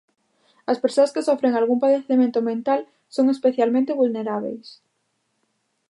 As persoas que sofren algún padecemento mental son especialmente vulnerábeis.